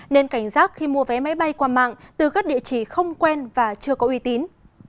nên cảnh giác khi mua vé máy bay qua mạng từ các địa chỉ không quen và chưa có uy tín